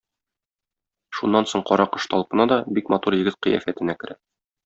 Шуннан соң Каракош талпына да бик матур егет кыяфәтенә керә.